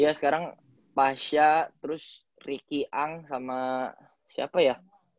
ya sekarang pasha terus ricky ang sama siapa ya